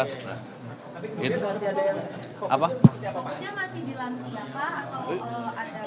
pokoknya masih dilantik apa